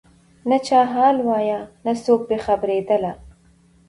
نه چا حال وایه نه څوک په خبرېدله